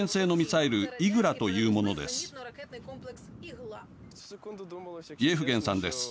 イエフゲンさんです。